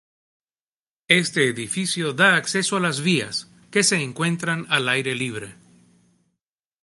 Este edificio da acceso a las vías, que se encuentran al aire libre.